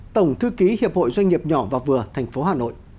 tổng thư ký hiệp hội doanh nghiệp nhỏ và vừa tp hà nội